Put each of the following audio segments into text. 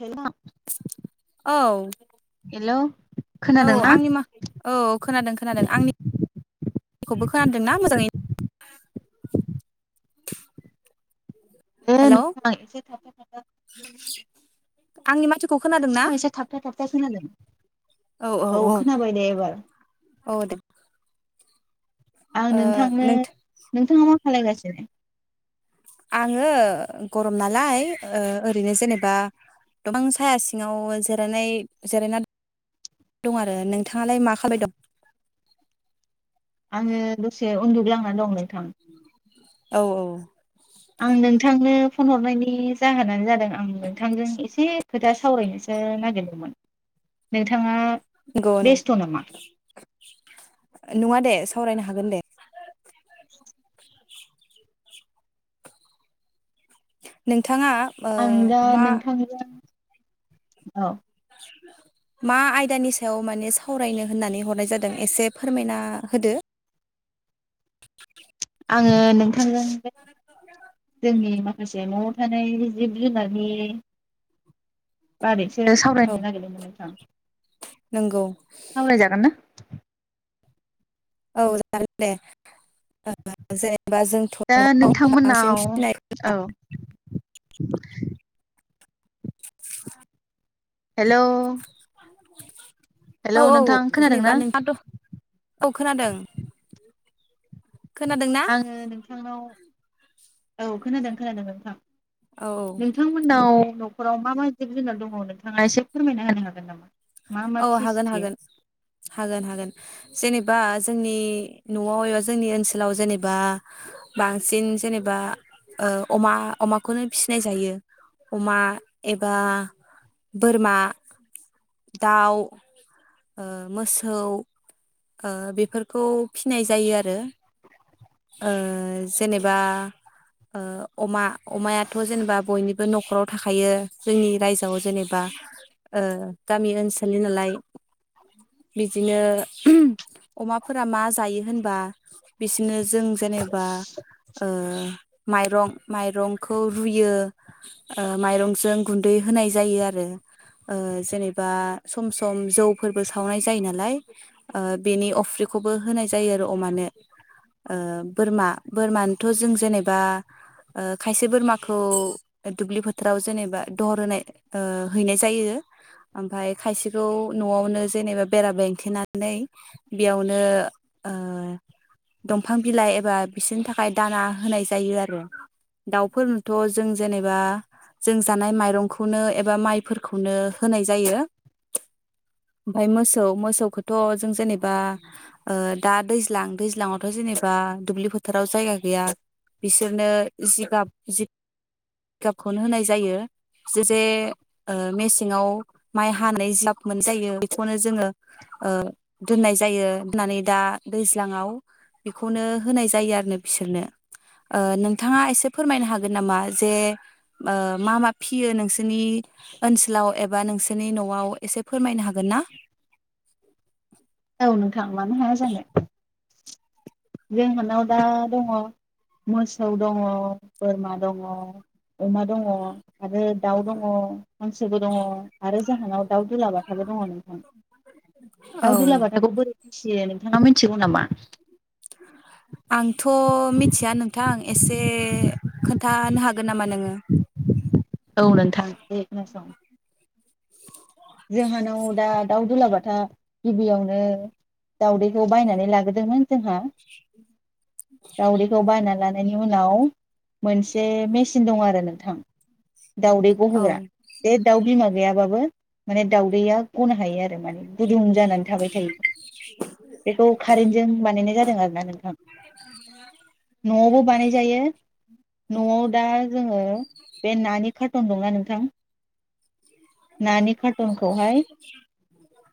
हेल औ हेलौ। औ खोनादोंना आंनि माखा औ खोनादों खोनादों आंनि [unintelligible] खोनादोंना मोजाङै? [inaudible] ए हेलौ नोंथां [unintelligible] आंनि माथोखौ खोनादों ना नोंनिखौ एसे थाबथा थाबथा खोनादों। औ खोनाबाय दे एबार। औ दे आं ओ नोंथांनो नों नोंथाङा मा? खालाय गासिनो? आङो? गरम नालाय ओ ओरैनो जेनेबा बा गोबां साया सिङाव जिरानाय जिरायना दं आरो नोंथाङालाय मा खाबाय दं? आङो दसे उन्दुग्लांना दं नों औ-औ आं नोंथांनो फन हरनायनि जाहोनानो जादों आं नोंथांजों एसे खोथा सावरायनोसो नागिरदोंमोन नोंथाङा बेस्थ' नामा [unintelligible] नङा दे सावरायनो हागोन दे। [inaudible] नोंथां आं दा नोंथांजों औ मा आयदानि सायाव माने सावरायनो होननानै हरनाय जादों एसे फोरमायना होदो। [inaudible] आङो नों थाङ जोंनि मा माखासे न'आव थानाय जिब जुनारनि बारि बे औ सावरायनो नागिरदोंमोन नोंथां नंगौ खावलाय जागोन ना? औ जागोन दे [unintelligible] दा बांसिन नोंथांमोनाव फिनाय औ औ हेलौ [inaudible] औ हेलौ औ नोंथां खोनादोंना? जेनेबा नोंहाथ औ खोनादों खोनादोंना आङो नोंथांनाव औ खोनादों खोनादों नोंथां औ नोंथांमोननाव नख'राव मा मा जिब जुनार दङ नोंथाङा एसे फोरमायना होनो हागोन नामा? मा मा औ हागोन फिसियो हागोन हागोन हागोन जेनेबा जोंनि न'आव एबा जोंनि ओनसोलाव जेनेबा बांसिन जेनेबा अमा अमाखौनो फिसिनाय जायो अमा एबा बोरमा दाउ ओ मोसौ ओ बेफोरखौ फिनाय जायो आरो ओ जेनेबा अमा अमायाथ' जेनेबा बयनिबो नखराव थाखायो जोंनि रायजोआव जेनेबा ओ गामि ओनसोलनि नालाय। बिदिनो अमाफोरा मा जायो होनबा बिसोरनो जों जेनेबा ओ माइरं माइरंखौ रुयो माइरंजों गुन्दै होनाय जायो आरो ओ जेनेबा सम सम जौ फोरबो सावनाय जायो नालाय ओ बेनि अफ्रिखौबो होनाय जायो आरो अमानो ओ बोरमा बोरमानोथ' जों जेनेबा खायसे बोरमाखौ दुब्लि फोथाराव जेनेबा दहर होनाय ओ हैनाय जायो ओमफफ्राय खायसेखौ न'आवनो जेनेबा बेरा एंखेनानै बेयावनो ओ दंफां बिलाइ एबा बिसोरनि थाखाय दाना होनाय जायो आरो दाउफोरनोथ जों जेनेबा जों जानाय माइरंखौनो एबा माइफोरखौनो होनाय जायो। ओमफ्राय मोसौ मोसौखौथ जों जेनेबा दा दैज्लां दैज्लङावथ जेनेबा दुब्लि फोथाराव जायगा गैया बिसोरनो जिगाब जि जिगाबखौनो होनाय जायो जे जे मेसेङाव माइ हानाय जि जायो बेखौनो जोङो ओ दोननाय जायो दा दैज्लांआव बेखौनो होनाय जायो बिसोरनो ओ नोंथाङा एसे फोरमायनो हागोन नामा जे ओ मा मा फिसियो नोंसिनि ओनसोलाव एबा नोंसिनि न आव एसे फोरमायनो हागोन ना? औ नोंथां थां मानो हाया जानो। जों हानाव दा दङ मोसौ दङ बोरमा दङ अमा दङ आरो दाउ दङ मानसबो दङ आरो जोंहानाव दाउ दुलाबाथाबो दङ नोंथां औ दाउ दुलाबाथाखौ बोरै मिथियो नोंथाङा मिथिगौ नामा? आंथ' मिथिया नोंथां एसे खोन्थानो हागोन नामा नोङो। औ नोंथां दे खोनासं जोंहानाव दा दाउ दुलाबाथा गिबियावनो दाउदैखौ बायनानै लाबोदोंमोन जोंहा दावदैखौ बायना लाना नायनि उनाव मोनसे मेसिन दं आरो नों थां दाउदैखौ औ गहोग्रा बे दाउ बिमा गैयाबाबो माने दावदैया गनो हायो आरो माने गुदुं जानानै थाबाय थायो बेखौ कारेन्टजों बानायनाय जा [unintelligible] न'आवबो बानाय जायो। न‌आव दा जोङो बे नानि कार्टन दंना नोंथां [inaudible] खौहाय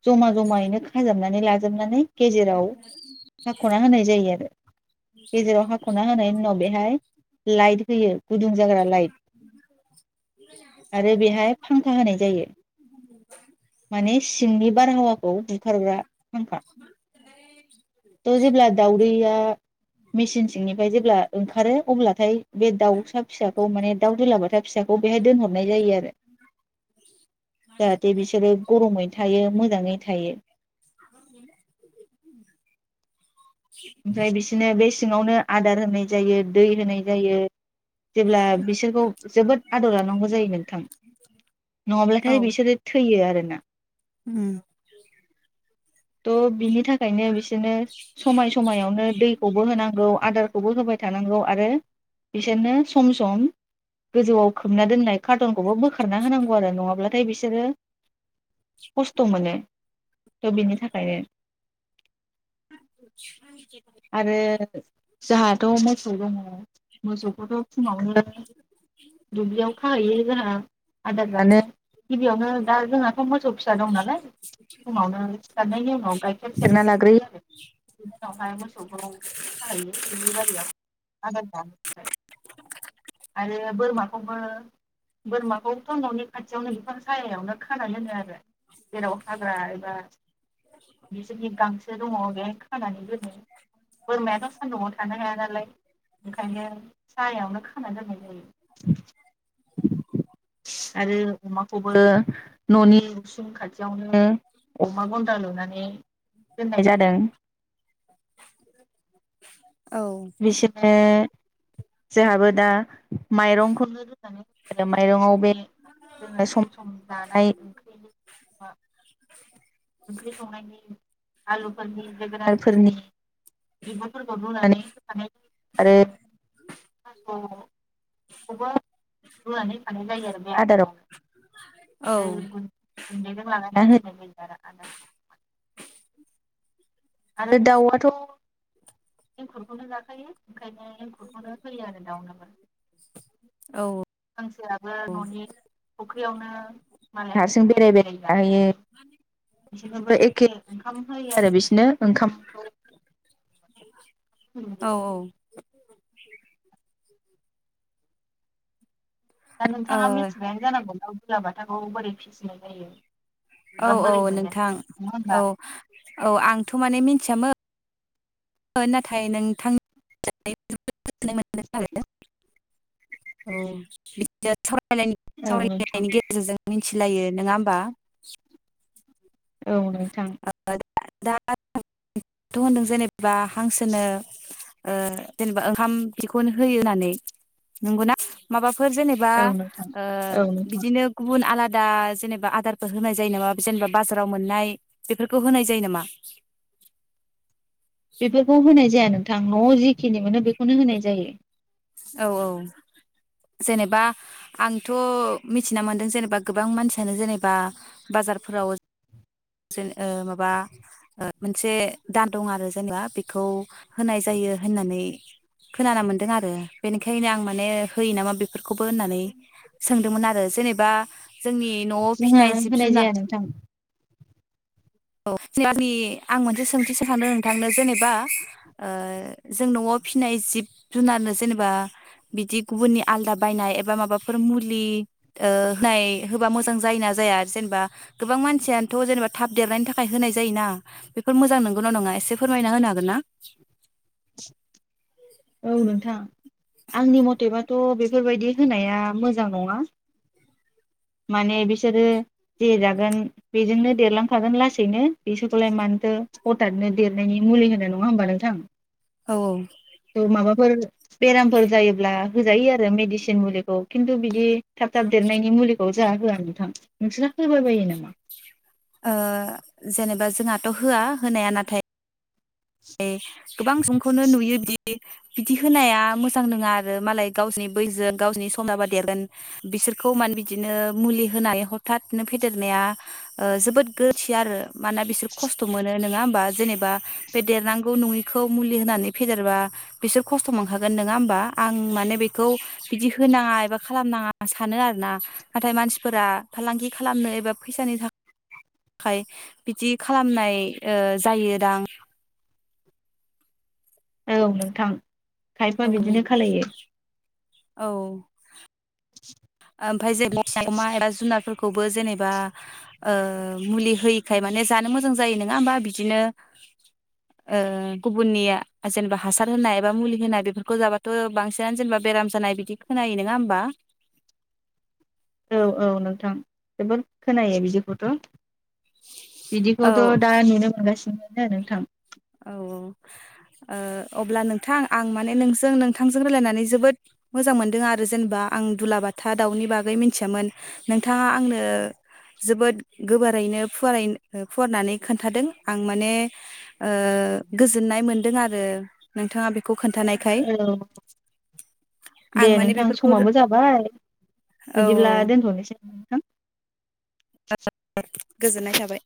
जमा जमायैनो खाजाबनानै लाजोबनानै गेजेराव हाखना होनाय जायो आरो गेजेराव हाखना होनायनि उनाव बेहाय लाइट होयो गुदुं जाग्रा लाइट आरो बेहाय फांखा होनाय जायो जायो। माने सिंनि बारहावाखौ बुखारारग्रा फांखा थ जेब्ला दाउदैया मेसिन सिंनिफ्राय जेब्ला ओंखारो अब्लाथाय बे दाउसा फिसाखौ माने दाउ दोलाबाथा फिसाखौ बेहाय दोनहरनाय जायो। आरो जाहाथे बिसोरो गरमैनो थायो मोजाङै थायो। [inaudible] ओमफ्राय बिसोरनो बे सिङावनो आदार होनाय जायो दै होनाय जायो जेब्ला बिसोरखौ जोबोद आदर लानांगौ जायो नोंथां औ नङाब्लाथाय बिसोरो थैयो आरो उम [inaudible] थ बिनि थाखायनो बिसोरनो समाय समायावनो दैखौबो होनांगौ आदारखौबो होबाय थांगौ आरो बिसोरनो सम सम गोजौआव खोबना दोननाय कार्टनखौबो बोखारना होनांगौ आरो नङाब्लाथाय बिसोरो खस्थ मोनो बिनि थाखायनो। आरो जोंहाथ मोसौ दङ मोसौ बेखौथ फुङावनो दुब्लियाव खाहैयो जोंहा आदार जानो गिबियावनो दा जोंहाथ मोसौ फिसा दं नालाय फुङावनो सिथखारनायनि उनाव गाइखेर सेरना लाग्रोयो उनावहाय मोसौखौ खाहैयो दुब्लि बारियाव आ [inaudible] [inaudible] आरो बोरमाखौबो बोरमाखौथ ननि खाथियावनो बिफां सायायावनो खा दोनो आरो जेराव हाग्रा एबा बिसोरनि गांसो दङ बेहाय खानानैबो बोरमायाथ सान्दुंङाव थानो हाया नालाय ओंखायनो सायायावनो खाना दोननाय जायो आरो अमाखौबो ननि उसुं खाथियावनो अमा गन्द्रा लुनानै दोननाय जादों । [inaudible] बिसोरो जोंहाबो दा माइरंखौ ओ माइरंआव बे सम सम जानाय ओंख्रि संनायनि आलुफोरनि जोगोनारफोरनि बिगुरफोरखौ रुनानै होफानाय जायो आरो थासखौबो रुनानै होफानाय जायो आरो। आदाराव आरो गुन्दैजों लानानै [unintelligible] [unintelligible] आरो दाउआथ एंखुरखौनो जाखायो। ओंखायनो एंखुरखौनो होयो आरो दाउनोबो औ हांसोयाबो ननि ख्रियावनो मालाय हारसिं बेराय बेराय जाहैयो बिसोरनोबो एखे ओंखाम होयो आरो बिसोरनो । ओंखामखौ औ औ दा ओ नोंथाङा मिथिबायानो जानांगौ ना लाबाथाखौ बोरै फिसिनाय जायो। औ एबा औ बोरै मोनो नङा नोंथां होमबा औ औ आंथ माने मिथियामोन। नाथाय नोंथां [unintelligible] [unintelligible] औ बि [unintelligible] औ नोंथां सावरायनायनि गेजेरजों मिथि मिलायो नङा होमबा । औ नोंथां । [unintelligible] दाथ होनदों जेनेबा बा हांसोनो ओ जेनेबा ओंखाम बिखौनो होयो होननानै नंगौना माबा फोर जेनेबा औ नोंथां ओ औ नोंथां बिदिनो गुबुन आलादा दा जेनेबा आदारफोर होनाय जायो नामा जेनेबा बाजाराव मोननाय बेफोरखौ होनाय जायो नामा बेफोरखौ होनाय जाया नों नोंथां नआव जिखिनिमोनो बेखौनो होनाय जायो औ औ जेनेबा आंथ मिथिना मोनदों जेनेबा गोबां मानसियानो जेनेबा बाजारफोराव जेन ओ माबा मोनसे दान दं आरो जेनेबा बेखौ होनाय जायो होननानै खोनाना मोनदों आरो बेनिखायनो आं माने होयो नामा बेफोरखौबो होननानै सोंदोंमोन आरो जेनेबा जोंनि नआव जोंहा फिनाय जिब होनाय जुनार जाया नोंथां औ आं मोनसे सोंथि सो सांदों नोंथांनो जेनेबा ओ जों नआव फिनाय जिब जुनारनो जेनेबा बिदि गुबुननि आलदा बायनाय एबा माबाफोर मुलि ओ होनाय होबा मोजां जायो ना जाया आरो जेनेबा गोबां मानसियानोथ जेनेबा थाब देरनायनि थाखाय थाखाय होनाय जायो ना बेफोर मोजां नंगौना नङा एसे फोरमायना होनो हागोन ना [inaudible] औ नोंथां आंनि मथेबाथ बेफोरबायदि होनाया मोजां नङा माने बिसोरो जे जागोन बेजोंनो देरलांखागोन लासैनो बिसोरखौलाय मानोथो हटादनो देरनायनि मुलि होनो नङा होमबा नोंथां औ औ औ माबाफोर बेरामफोर जायोब्ला होजायो आरो मेडिसिन मुलिखौ खिन्थु बिदि थाब थाब देरनायनि मुलिखौ जोंहा होआ नोंथां नोंसोरना होबाय बायो नामा ओ जेनेबा जोंहाथ होआ होनाया नाथाय ए गोबां सुबुंखौनो नुयो दि बिदि होनाया मोजां नङा आरो मालाय गावसनि बैजों गावसनि समदाबा देरगोन बिसोरखौ मानो बिदिनो मुलि होनानै हथादनो फेदेरनाया ़ जोबोद गोरोन्थि आरो माना बिसोर खस्थ मोनो नोङा बा जेनेबा बे देरनांगौ नङि खौ मुलि होनानै फेदेरबा बिसोर खस्थ मोनखागोन नङा होमबा आं माने बेखौ बिदि होनाङा एबा खालामनाङा सानो आरोना नाथाय मानसिफोरा फालांगि खालामनो एबा फैसानि थाखाय बिदि खालामनाय ओ जायो दां औ नोंथां खायफा औ बिदिनो खालायो औ [unintelligible] ओ ओमफ्राय जेन अमा एबा जुनारफोरखौ खौबो जेनेबा ओ मुलि होयिखाय माने जानो मोजां जायो नङा होमबा बिदिनो ओ गुबुननि जेनेबा हासार होनाय एबा मुलि होनाय बेफोरखौ जाबाथ बांसिनानो जेनेबा बेराम जानाय बिदि खोनायो नङा होमबा औ औ नोंथां जोबोद खोनायो बिदिखौथ औ बिदिखौथ दा नुनोमोनगासिनो नो नोंथां औ औ ओ अब्ला नोंथां आं माने नोंजों नोंथांजों रायलायनानै जोबोद मोजां मोनदों आरो जेनेबा आं दुलाबाथा दाउनि बागै मिन्थियामोन नोंथाङा आंनो जोबोद गोबोरैनो फुवारै ओ फुवारनानै खोन्थादों आं माने ओ गोजोननाय मोनदों आरो नोंथाङा बेफ औ दे आं माने नोंथां बेफोरखौ औ समाबो जाबाय औ बिदिब्ला दोनथनोसै नोंथां गोजोननाय थाबाय।